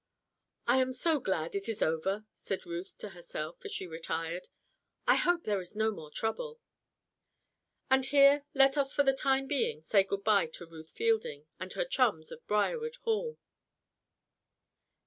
"I am so glad it is over!" said Ruth to herself, as she retired. "I hope there is no more trouble." And here let us for the time being say good bye to Ruth Fielding and her chums of Briarwood Hall.